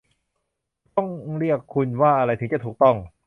ต้องเรียกคุณว่าอะไรจึงจะถูกต้อง ?